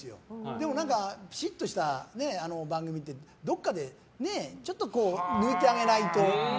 でも、きちっとした番組ってどこかでちょっと抜いてあげないと。